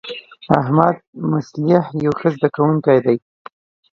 احمدمصلح یو ښه زده کوونکی دی.